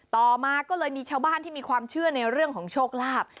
ต่อมาก็เลยมีชาวบ้านที่มีความเชื่อในเรื่องของโชคลาภ